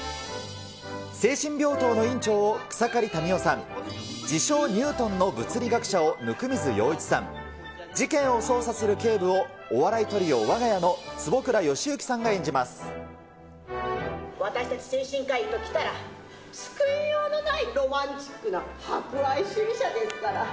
精神病棟の院長を草刈民代さん、自称ニュートンの物理学者を温水洋一さん、事件を捜査する警部をお笑いトリオ、我が家の坪倉由幸さんが演じ私たち精神科医ときたら、救いようのないロマンチックな博愛主義者ですから。